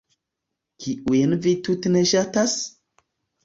Kiujn vi tute ne ŝatas?